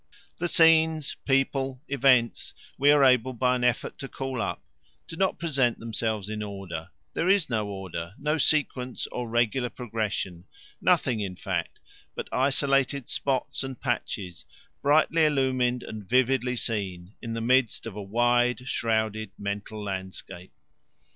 The scenes, people, events we are able by an effort to call up do not present themselves in order; there is no order, no sequence or regular progression nothing, in fact, but isolated spots or patches, brightly illumined and vividly seen, in the midst of a wide shrouded mental landscape.